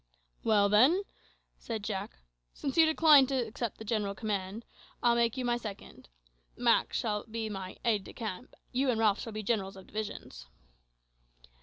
"Well, then," said Jack, "since you decline to accept the chief command, I'll make you my second. Mak shall be my aide de camp; you and Ralph shall be generals of divisions."